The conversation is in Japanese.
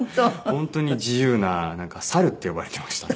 本当に自由な猿って呼ばれていましたね。